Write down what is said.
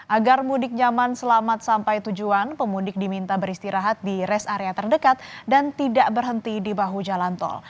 agar mudik nyaman selamat sampai tujuan pemudik diminta beristirahat di rest area terdekat dan tidak berhenti di bahu jalan tol